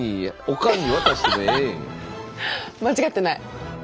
間違ってない。